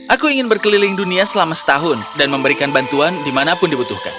aku ingin berkeliling dunia selama setahun dan memberikan bantuan dimanapun dibutuhkan